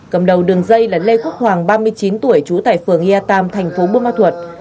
cầm đầu đường dây là lê quốc hoàng ba mươi chín tuổi trú tại phường yatam thành phố bương ma thuật